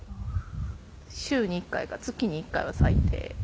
週に１回か月に１回は最低